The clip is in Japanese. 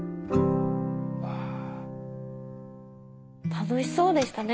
楽しそうでしたね。